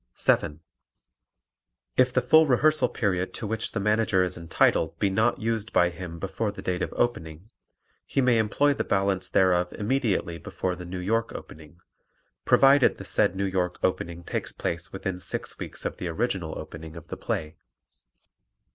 7. If the full rehearsal period to which the Manager is entitled be not used by him before the date of opening, he may employ the balance thereof immediately before the New York opening, provided the said New York opening takes place within six weeks of the original opening of the play.